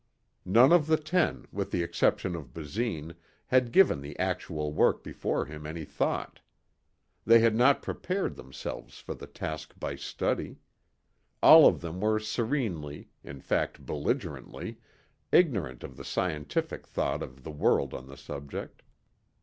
None of the ten with the exception of Basine had given the actual work before him any thought. They had not prepared themselves for the task by study. All of them were serenely, in fact belligerently, ignorant of the scientific thought of the world on the subject.